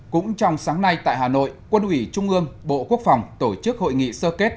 cũng trong sáng nay tại hà nội quân ủy trung ương bộ quốc phòng tổ chức hội nghị sơ kết